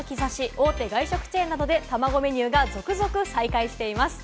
大手外食チェーンなどでたまごメニューが続々再開しています。